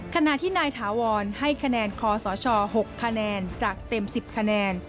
ขณะที่นายถาวรให้คะแนนคอสช๖คะแนนจากเต็ม๑๐คะแนน